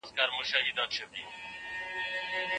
آيا له ميرمني سره د هغې د خاله لور يوځای کول جائز دي؟